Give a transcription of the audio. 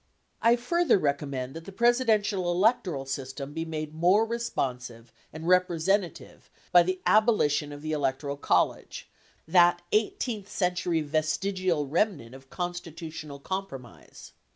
I further recommend that the Presidential electoral system be made more responsive and representative by the abolition of the electoral college, that 18th century vestigial remnant of constitutional com promise.